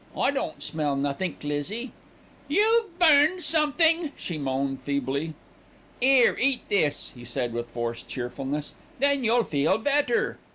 "I don't smell nothink, Lizzie." "You've burned something," she moaned feebly. "'Ere, eat this," he said with forced cheerfulness, "then you'll feel better."